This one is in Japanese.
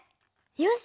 よし！